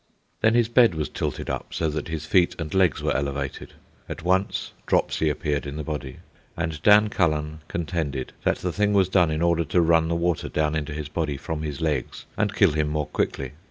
Then his bed was tilted up so that his feet and legs were elevated. At once dropsy appeared in the body, and Dan Cullen contended that the thing was done in order to run the water down into his body from his legs and kill him more quickly.